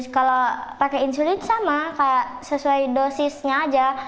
kalau pakai insulin sama kayak sesuai dosisnya aja